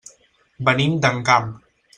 Venim d'Encamp.